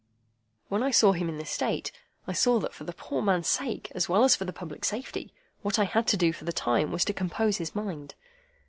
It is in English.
When I saw him in this state, I saw that for the poor man's sake, as well as for the public safety, what I had to do for the time was to compose his mind.